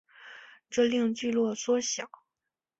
这令聚落缩小。